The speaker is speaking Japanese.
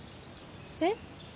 えっ？